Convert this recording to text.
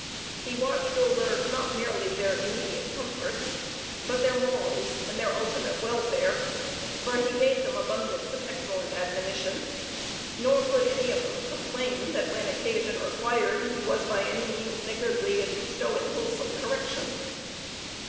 He watched over not merely their immediate comforts, but their morals and their ultimate welfare; for he gave them abundance of excellent admonition; nor could any of them complain, that, when occasion required, he was by any means niggardly in bestowing wholesome correction.